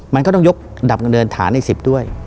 มันก็ต้องยกดับเงินฐานใน๑๐ด้วย